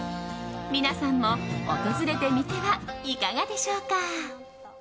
皆さんも訪れてみてはいかがでしょうか。